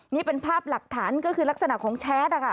นี่เป็นภาพหลักฐานก็คือลักษณะของแชทนะคะ